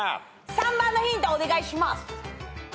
３番のヒントお願いします。